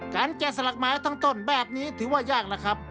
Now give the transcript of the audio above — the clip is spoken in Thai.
แกะสลักไม้ทั้งต้นแบบนี้ถือว่ายากนะครับ